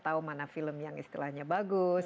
tahu mana film yang istilahnya bagus